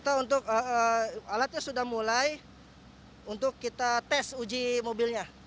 alatnya sudah mulai untuk kita tes uji mobilnya